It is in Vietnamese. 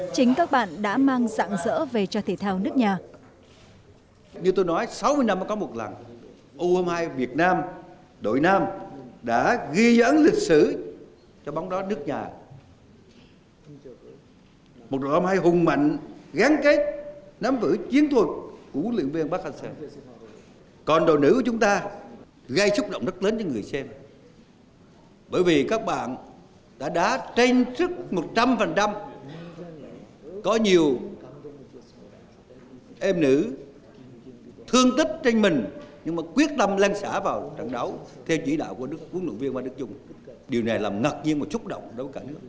chính các bạn đã mang sẵn sỡ về cho thể thao nước nhà